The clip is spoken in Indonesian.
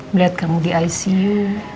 melihat kamu di icu